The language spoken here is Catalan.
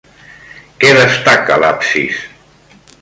Què destaca l'absis?